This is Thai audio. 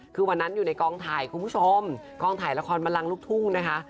คือวันนั้นอยู่ในกองถ่ายคุณผู้ชมกองถ่ายละครบันลังลูกทุ่งนะคะ